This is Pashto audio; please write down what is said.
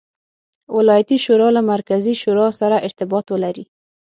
ولایتي شورا له مرکزي شورا سره ارتباط ولري.